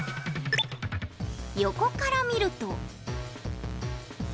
横から見ると。